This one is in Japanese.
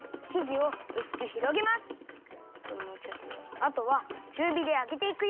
あとはちゅうびであげていくよ。